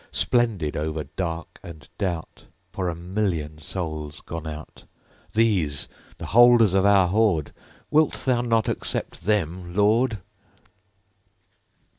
Splendid, over dark and doubt, For a million souls gone out! These, the holders of our hoard, Wilt thou not accept them, Lord?